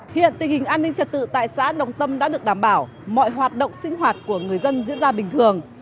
hiện tình hình an ninh trật tự tại xã đồng tâm đã được đảm bảo mọi hoạt động sinh hoạt của người dân diễn ra bình thường